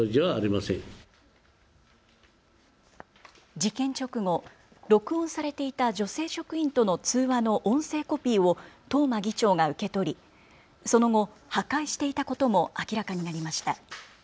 事件直後、録音されていた女性職員との通話の音声コピーを東間議長が受け取り、その後、破壊していたことも明らかになりました。